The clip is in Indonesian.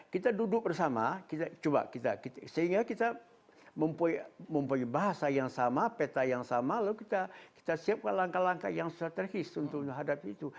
kita duduk bersama kita sehingga kita mempunyai bahasa yang sama peta yang sama lalu kita siapkan langkah langkah yang strategis untuk menghadapi itu